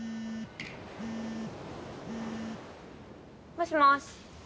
もしもーし。